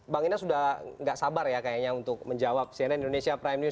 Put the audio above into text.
bang ines sudah tidak sabar ya kayaknya untuk menjawab cnn indonesia prime news